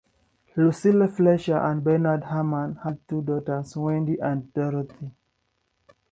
Lucille Fletcher and Bernard Herrmann had two daughters, Wendy and Dorothy.